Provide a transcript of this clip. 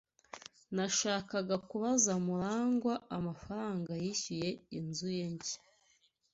Nashakaga kubaza MuragwA amafaranga yishyuye inzu ye nshya